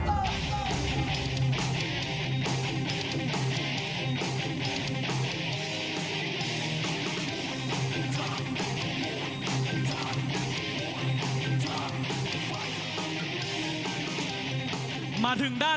รับทราบคดชศาลสบุญจันทร์